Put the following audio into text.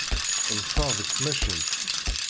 Ḍḍseɣ deg tmacint.